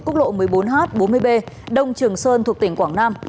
quốc lộ một mươi bốn h bốn mươi b đông trường sơn thuộc tỉnh quảng nam